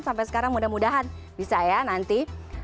sampai sekarang mudah mudahan bisa ya nanti